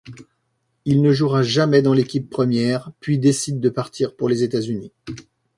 Il ne jouera jamais dans l'équipe première, puis décide de partir pour les États-Unis.